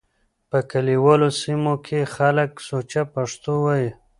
په کليوالو سيمو کې خلک سوچه پښتو وايي.